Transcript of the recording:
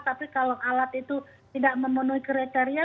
tapi kalau alat itu tidak memenuhi kriteria